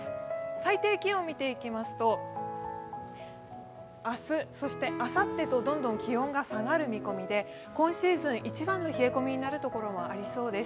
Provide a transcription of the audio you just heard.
最低気温を見ていきますと、明日、そしてあさってと、どんどん気温が下がる見込みで、今シーズン一番の冷え込みになるところがありそうです。